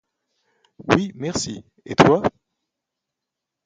Oui merci et toi ?